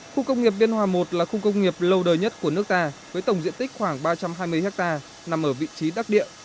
khu công nghiệp biên hòa i là khu công nghiệp lâu đời nhất của nước ta với tổng diện tích khoảng ba trăm hai mươi ha nằm ở vị trí đắc địa